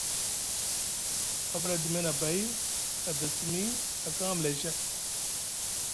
A fuɗa Adime nʼabay, a da simi, a kaŋ amlay ca.